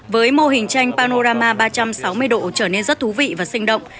với mô hình tranh panorama ba trăm sáu mươi độ trở nên rất thú vị và sinh động